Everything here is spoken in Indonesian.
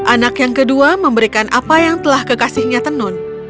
anak yang kedua memberikan apa yang telah kekasihnya tenun